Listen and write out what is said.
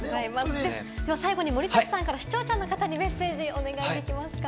最後に森崎さんから視聴者の方にメッセージをいただけますか？